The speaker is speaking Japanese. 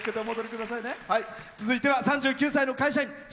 続いては３９歳の会社員。